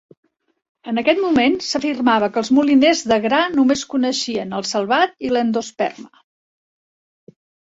En aquest moment, s'afirmava que els moliners de gran només coneixien el salvat i l'endosperma.